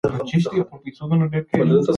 که مورنۍ ژبه وي، نو پوهیدلو کې ستونزې نه راځي.